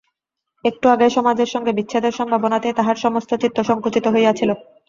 একটু আগেই সমাজের সঙ্গে বিচ্ছেদের সম্ভাবনাতেই তাহার সমস্ত চিত্ত সংকুচিত হইয়াছিল।